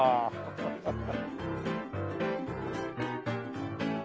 ハハハハ！